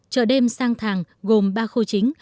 chợ đêm sang thàng gồm ba khu chính